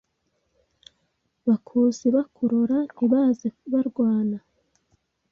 Bakuzi bakurora Ntibaze barwana